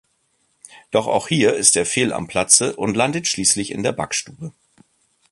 Doch auch hier ist er fehl am Platze und landet schließlich in der Backstube.